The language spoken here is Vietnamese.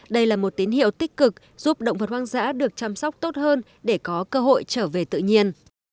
đây là một tín hiệu tích cực giúp động vật hoang dã được chăm sóc tốt hơn để có cơ hội trở về tự nhiên